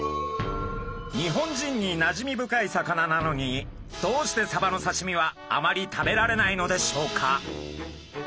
日本人になじみ深い魚なのにどうしてサバの刺身はあまり食べられないのでしょうか！？